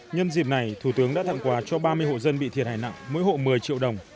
nhân dịp này thủ tướng đã tặng quà cho ba mươi hộ dân bị thiệt hại nặng mỗi hộ một mươi triệu đồng